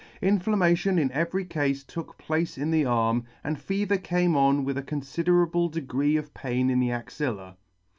Inflammation in every cafe took place in the arm, and fever came on with a confiderable degree of pain in the axilla.